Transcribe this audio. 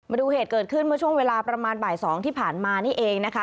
มาดูเหตุเกิดขึ้นเมื่อช่วงเวลาประมาณบ่าย๒ที่ผ่านมานี่เองนะคะ